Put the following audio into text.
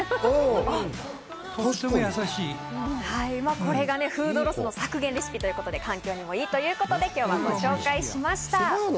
これがフードロスの削減レシピということで、環境にもいいということでご紹介しました。